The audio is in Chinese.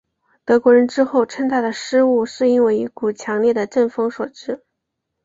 德国人之后称他的失误是因为一股强烈的阵风所致。